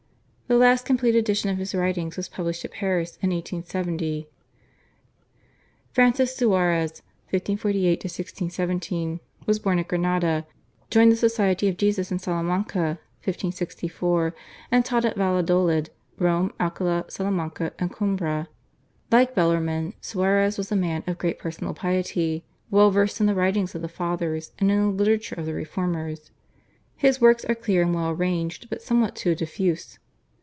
The last complete edition of his writings was published at Paris in 1870. /Francis Suarez/ (1548 1617) was born at Granada, joined the Society of Jesus in Salamanca (1564) and taught at Valladolid, Rome, Alcala, Salamanca, and Coimbra. Like Bellarmine Suarez was a man of great personal piety, well versed in the writings of the Fathers and in the literature of the Reformers. His works are clear and well arranged but somewhat too diffuse.